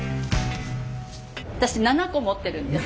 私７個持ってるんです。